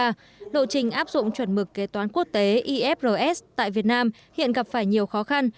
tại việt nam lộ trình áp dụng chuẩn mực kế toán quốc tế ifrs tại việt nam hiện gặp phải nhiều khó khăn